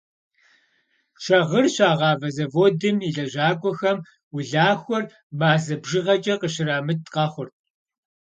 Шагъыр щагъавэ зэводым и лэжьакӏуэхэм улахуэр мазэ бжыгъэкӏэ къыщырамыт къэхъурт.